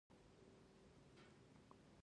د خیال ځواک د انسان د بقا راز دی.